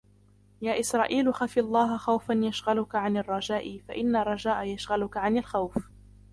يَا إسْرَائِيلُ خَفْ اللَّهَ خَوْفًا يَشْغَلُك عَنْ الرَّجَاءِ فَإِنَّ الرَّجَاءَ يَشْغَلُك عَنْ الْخَوْفِ